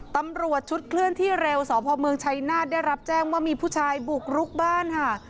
ตำรวจชุดเคลื่อนที่เร็วสพเมืองชัยนาธได้รับแจ้งว่ามีผู้ชายบุกรุกบ้านค่ะ